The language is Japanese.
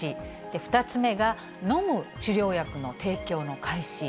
２つ目が、飲む治療薬の提供の開始。